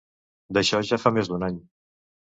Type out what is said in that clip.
D'això ja fa més d'un any.